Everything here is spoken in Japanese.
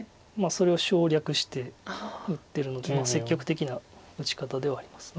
それを省略して打ってるので積極的な打ち方ではあります。